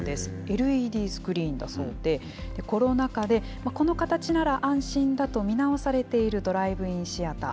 ＬＥＤスクリーンだそうで、コロナ禍でこの形なら安心だと見直されているドライブインシアター。